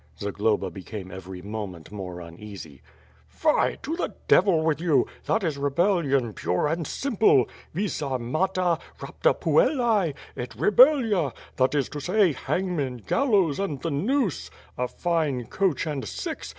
Zagloba became every moment more uneasy. "Fie! To the devil with you! That is rebellion pure and simple. ^Vis armata' 'rapia puellae/ ^et rebellia' — that is to say, hangmen, gallows, and the noose. A fine coach and six!